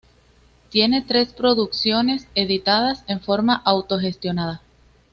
Tienen tres producciones editadas en forma autogestionada.